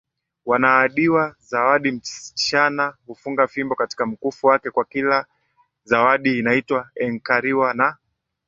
wanaahidi zawadi Msichana hufunga fimbo katika mkufu wake kwa kila zawadiInaitwa enkariwa na